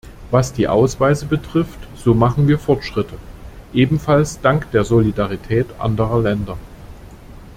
Was die Ausweise betrifft, so machen wir Fortschritte, ebenfalls dank der Solidarität anderer Länder.